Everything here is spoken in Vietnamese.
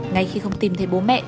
ngay khi không tìm thấy bố mẹ